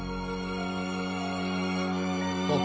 あっ。